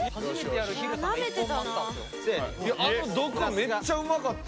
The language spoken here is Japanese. めっちゃうまかった。